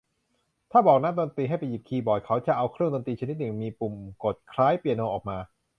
ถ้าบอกนักดนตรีให้ไปหยิบคีย์บอร์ด เขาจะเอาเครื่องดนตรีชนิดหนึ่งมีปุ่มกดคล้ายเปียโนออกมา